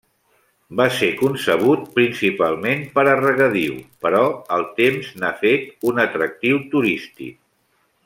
Va ser concebut principalment per a regadiu, però el temps n'ha fet un atractiu turístic.